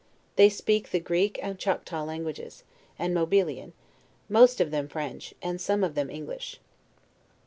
They speak the Greek and Chataw language's, and Mobilian; most of them French, and seme of them English.